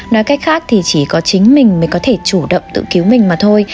nói cách khác thì chỉ có chính mình mới có thể chủ động tự cứu mình mà thôi